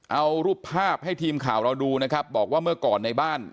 เอารูปภาพให้ทีมข่าวเราดูนะครับบอกว่าเมื่อก่อนในบ้าน